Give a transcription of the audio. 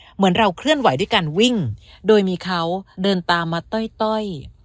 เหมือนเราเคลื่อนไหวด้วยการวิ่งโดยมีเขาเดินตามมาต้อย